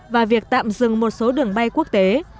và việc tạm dừng một số đường bay quốc tế